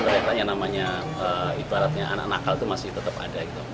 ternyata yang namanya ibaratnya anak nakal itu masih tetap ada gitu